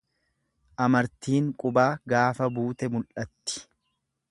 Amartiin qubaa gaafa buute mul'atti.